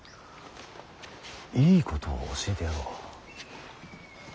いいことを教えてやろう。